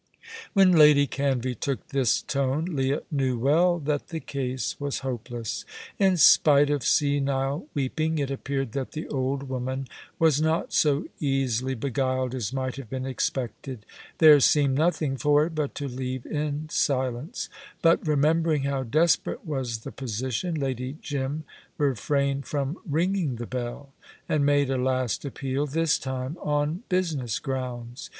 When Lady Canvey took this tone Leah knew well that the case was hopeless. In spite of senile weeping, it appeared that the old woman was not so easily beguiled as might have been expected. There seemed nothing for it but to leave in silence; but remembering how desperate was the position, Lady Jim refrained from ringing the bell and made a last appeal this time on business grounds.